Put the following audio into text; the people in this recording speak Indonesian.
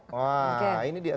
wah ini dia